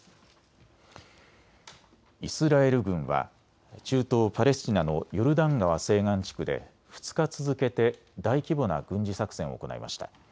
イスラエル軍は中東パレスチナのヨルダン川西岸地区で２日続けて大規模な軍事作戦を行いました。